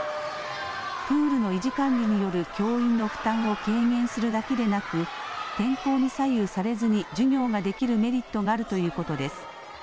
プールの維持管理による教員の負担を軽減するだけでなく、天候に左右されずに授業ができるメリットがあるということです。